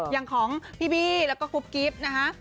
อย่างของพี่บี้แล้วก็คลุปกิฟต์นะฮะ